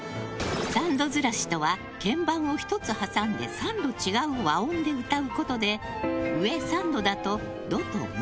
３度ずらしとは鍵盤を１つ挟んで３度違う和音で歌うことで上３度だとドとミ。